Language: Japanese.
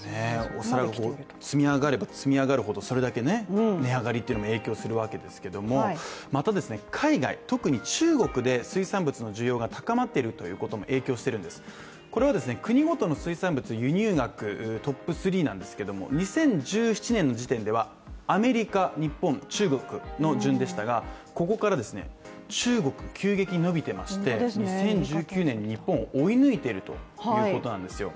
お皿が積み上がれば積み上がるほどそれだけ値上がりも影響するわけですけどもまた、海外、特に中国で水産物の需要が高まっているということも影響しているんですこれは国ごとの水産物輸入額トップ３なんですけれども２０１７年の時点ではアメリカ、日本、中国の順でしたがここから中国、急激に伸びていまして２０１９年に日本を追い抜いているということなんですよ。